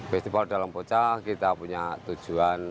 festival dalam bocah kita punya tujuan